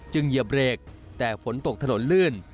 เหยียบเบรกแต่ฝนตกถนนลื่น